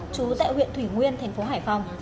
chú tại huyện thủy nguyên thành phố hải phòng